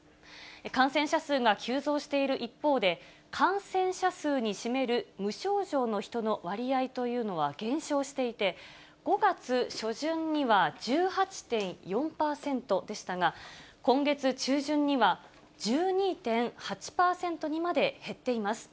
感染者数が急増している一方で、感染者数に占める無症状の人の割合というのは減少していて、５月初旬には１８．４％でしたが、今月中旬には、１２．８％にまで減っています。